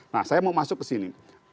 nah saya mau masuk ke sini